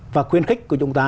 và khuyên khích của chúng ta